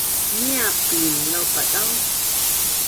Niapin aak laupadau